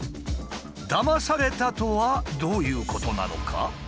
「だまされた」とはどういうことなのか？